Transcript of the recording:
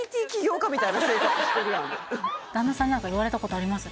旦那さんに何か言われたことあります？